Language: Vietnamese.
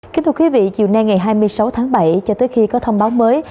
kính thưa quý vị chiều nay ngày hai mươi sáu tháng bảy cho tới khi có thông báo mới